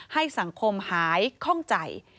ให้สังคมหายคล่องใจ